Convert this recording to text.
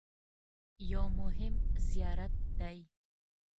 یو مهم زیارت دی.